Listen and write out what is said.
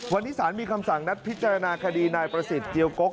วันนี้สารมีคำสั่งนัดพิจารณาคดีนายประสิทธิ์เจียวกก